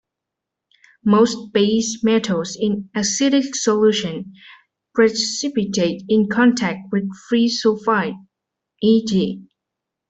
Most base metals in acidic solution precipitate in contact with free sulfide, e.g.